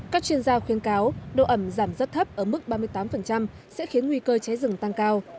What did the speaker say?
các chuyên gia khuyên cáo độ ẩm giảm rất thấp ở mức ba mươi tám sẽ khiến nguy cơ cháy rừng tăng cao